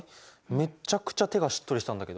めっちゃくちゃ手がしっとりしたんだけど。